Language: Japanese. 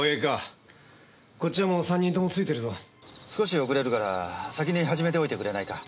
少し遅れるから先に始めておいてくれないか？